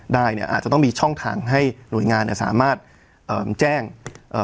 ได้เนี่ยอาจจะต้องมีช่องทางให้หน่วยงานเนี้ยสามารถเอ่อแจ้งเอ่อ